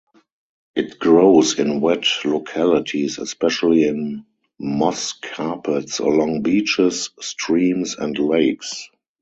It grows in wet localities, especially in moss carpets along beaches, streams and lakes.